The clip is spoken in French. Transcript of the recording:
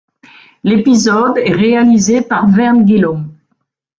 L'épisode est réalisé par Vern Gillum.